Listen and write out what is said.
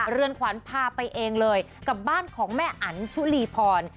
เรือนขวัญพาไปเองเลยกับบ้านของแม่อันชุลีพร